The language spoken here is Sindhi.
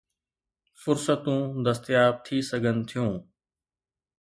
فرصتون دستياب ٿي سگهن ٿيون